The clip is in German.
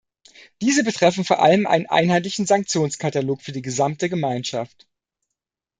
Diese betreffen vor allem einen einheitlichen Sanktionskatalog für die gesamte Gemeinschaft.